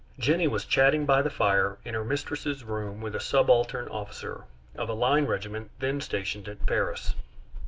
Jenny was chatting by the fire in her mistress's room with a subaltern officer of a line regiment then stationed at Paris.